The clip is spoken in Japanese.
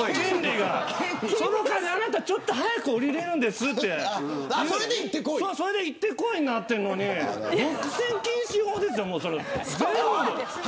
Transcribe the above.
その代わり、あなたはちょっと早く降りられるんですとそれでいってこいになってるのに独占禁止法ですよ。